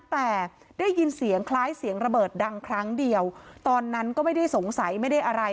แต่ได้ยินเสียงคล้ายเสียงระเบิดดังครั้งเดียวตอนนั้นก็ไม่ได้สงสัยไม่ได้อะไร